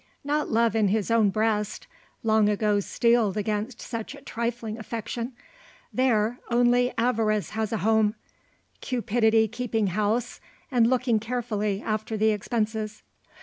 Not love in his own breast, long ago steeled against such a trifling affection. There only avarice has a home; cupidity keeping house, and looking carefully after the expenses.